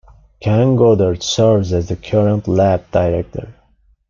Ken Goddard serves as the current Lab Director.